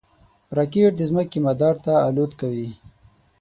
راکټ د ځمکې مدار ته الوت کوي